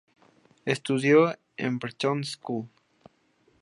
Estudió en la Brentwood School.